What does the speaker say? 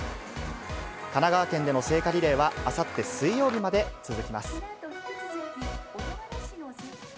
神奈川県での聖火リレーは、あさって水曜日まで続きます。